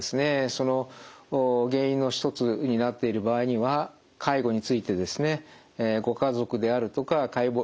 その原因の一つになっている場合には介護についてですねご家族であるとか介護